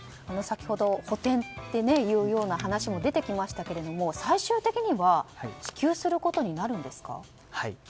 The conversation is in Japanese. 先ほど補てんっていう話も出てきましたけれども最終的には支給することになるんですか？